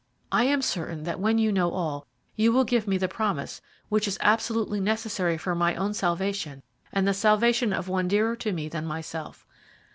I am certain that when you know all you will give me the promise which is absolutely necessary for my own salvation and the salvation of one dearer to me than myself.